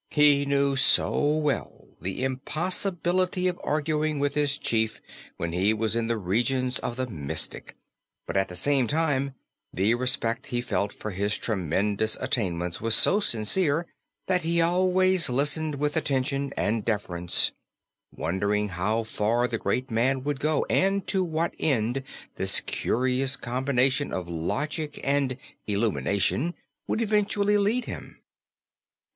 He knew so well the impossibility of arguing with his chief when he was in the regions of the mystic, but at the same time the respect he felt for his tremendous attainments was so sincere that he always listened with attention and deference, wondering how far the great man would go and to what end this curious combination of logic and "illumination" would eventually lead him.